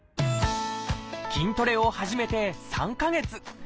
筋トレを始めて３か月。